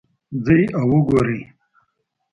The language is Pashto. ځئ او وګورئ